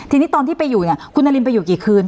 ทีนี้ตอนที่ไปอยู่เนี่ยคุณนารินไปอยู่กี่คืน